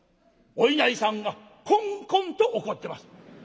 お稲荷さんがコンコンと怒ってます」。